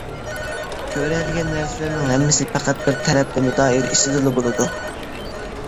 كۆرەلىگەن نەرسىلىرىنىڭ ھەممىسى پەقەت بىر تەرەپلىمە دائىرە ئىچىدىلا بولىدۇ.